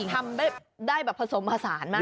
ทำได้แบบผสมผสานมาก